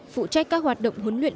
phụ trách các hoạt động huấn luyện